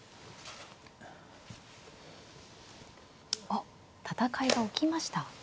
あっ戦いが起きました。